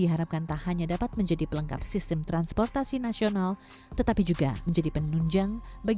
bisa bekerjasama dan melibatkan kegiatan di hati nemu partnering papa j battles